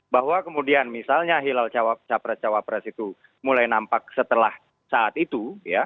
bahwa kemudian misalnya hilal capres cawapres itu mulai nampak setelah saat itu